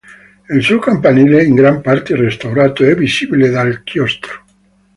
Il suo campanile, in gran parte restaurato, è visibile dal chiostro.